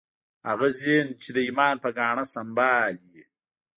هغه ذهن چې د ایمان په ګاڼه سمبال وي